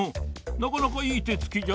なかなかいいてつきじゃの。